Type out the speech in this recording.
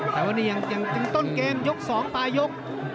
ถ้าบรรทางต้นเกมยกสองตายก็ยก